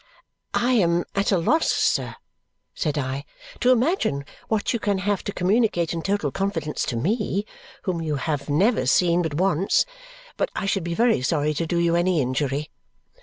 "I am at a loss, sir," said I, "to imagine what you can have to communicate in total confidence to me, whom you have never seen but once; but I should be very sorry to do you any injury."